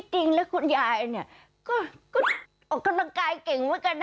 จริงว่าแล้วคุณยายเนี่ยออกกำลังกายเก่งไว้กันนะ